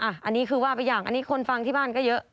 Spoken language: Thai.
อันนี้คือว่าไปอย่างอันนี้คนฟังที่บ้านก็เยอะ